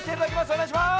おねがいします。